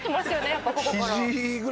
やっぱここから。